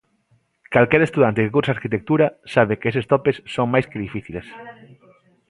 Calquera estudante que curse Arquitectura sabe que eses topes son máis que difíciles.